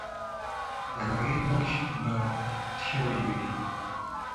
د هغې نقش به تایید سوی وي.